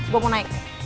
gue mau naik